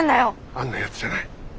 あんなやつじゃない。